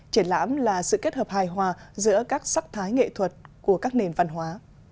triển lãm là sự kết hợp hài hòa giữa các sắc thái nghệ thuật của các nền văn hóa